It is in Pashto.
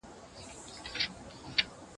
زه او ټوله نړۍ پوهېږي